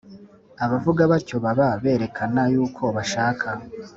Abavuga batyo baba berekana yuko bashaka